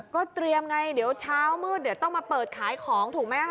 ก็เตรียมไงเดี๋ยวเช้ามืดเดี๋ยวต้องมาเปิดขายของถูกไหมคะ